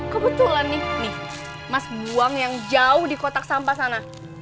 kebetulan nih mas buang yang jauh di kotak sampah sana